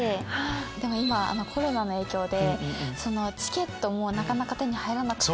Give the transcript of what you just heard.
でも今コロナの影響でチケットもなかなか手に入らなくて。